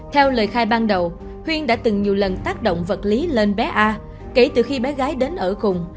theo lời khai ban đầu huyên đã từng nhiều lần tác động vật lý lên bé a kể từ khi bé gái đến ở cùng